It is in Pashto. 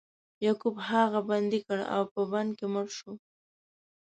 یعقوب هغه بندي کړ او په بند کې مړ شو.